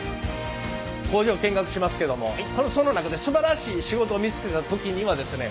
工場を見学しますけどもその中ですばらしい仕事を見つけた時にはですね